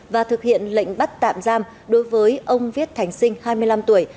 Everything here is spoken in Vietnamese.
và thực hiện lệnh bắt tạm giam đối với ông viết thành sinh hai mươi năm tuổi